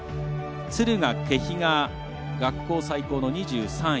敦賀気比が学校最高の２３位。